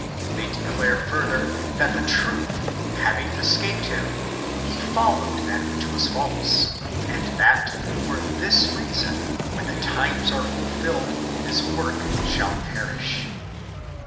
They declare further, that the truth having escaped him, he followed that which was false, and that, for this reason, when the times are fulfilled, his work shall perish.